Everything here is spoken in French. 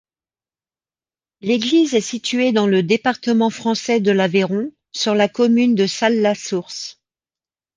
L'église est située dans le département français de l'Aveyron, sur la commune de Salles-la-Source.